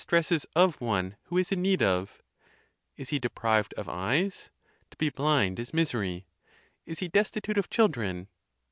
tresses of one who is in need of. Is he deprived of eyes? to be blind is misery. Is he destitute of children?